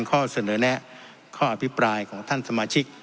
ข้อเสนอแนะข้ออภิปรายของท่านสมาชิก